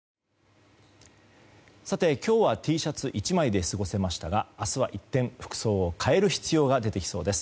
さて今日はＴシャツ１枚で過ごせましたが明日は一転、服装を変える必要が出てきそうです。